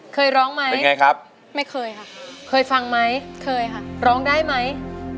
เคยร้องไหมเป็นไงครับไม่เคยค่ะเคยฟังไหมเคยค่ะร้องได้ไหม